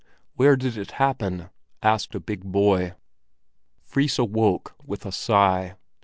"Where did it happen?" asked a big boy. Fris awoke with a sigh.